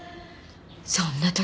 そんな時。